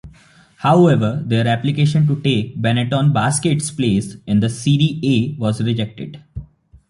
However their application to take Benetton Basket's place in the Serie A was rejected.